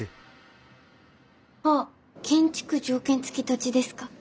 あっ建築条件付き土地ですか。